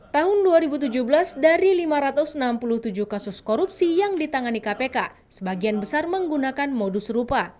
tahun dua ribu tujuh belas dari lima ratus enam puluh tujuh kasus korupsi yang ditangani kpk sebagian besar menggunakan modus serupa